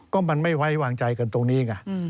ก็มันไม่ไว้วางใจกันตรงนี้ไง